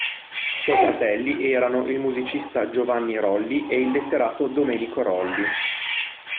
Suoi fratelli erano il musicista Giovanni Rolli e il letterato Domenico Rolli.